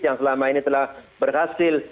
yang selama ini telah berhasil